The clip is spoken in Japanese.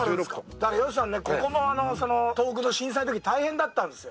だから吉さん、ここも東北の震災のとき大変だったんですよ。